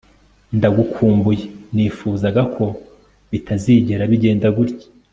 ndagukumbuye, nifuzaga ko bitazigera bigenda gutya